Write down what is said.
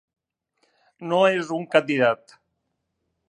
No és un candidat.